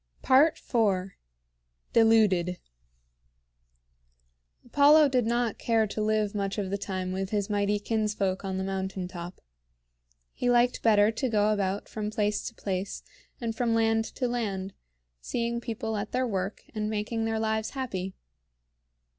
IV. DELUDED. Apollo did not care to live much of the time with his mighty kinsfolk on the mountain top. He liked better to go about from place to place and from land to land, seeing people at their work and making their lives happy.